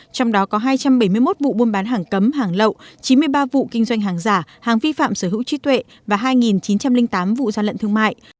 trong đó có hai trăm bảy mươi một vụ buôn bán hàng cấm hàng lậu chín mươi ba vụ kinh doanh hàng giả hàng vi phạm sở hữu trí tuệ và hai chín trăm linh tám vụ gian lận thương mại